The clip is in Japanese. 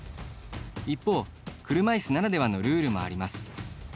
一方、車いすならではのルールもあります。